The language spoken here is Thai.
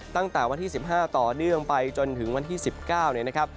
ตั้งแต่วันที่๑๕ต่อเนื่องไปจนถึงวันที่๑๙เนี่ยนะครับ